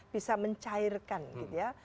bisa mencairkan gitu ya